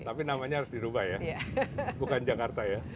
tapi namanya harus di dubai ya bukan jakarta ya